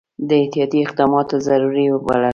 ده احتیاطي اقدامات ضروري وبلل.